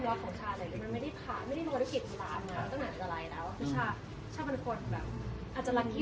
แล้วก็แบบผ่านอะไรมาด้วยกันค่อนข้างเยอะ